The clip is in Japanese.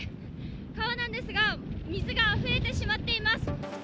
川なんですが水があふれてしまっています。